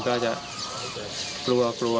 ก็จะกลัว